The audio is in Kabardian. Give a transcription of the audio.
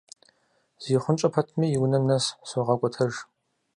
ЗихъунщӀэ пэтми, и унэм нэс согъэкӀуэтэж.